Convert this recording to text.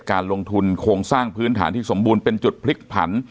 การลงทุนโครงสร้างพื้นฐานที่สมบูรณ์เป็นจุดพลิกผัน